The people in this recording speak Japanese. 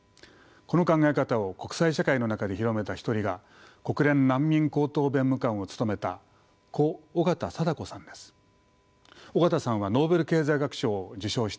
この考え方を国際社会の中で広めた一人が国連難民高等弁務官を務めた故緒方貞子さんです。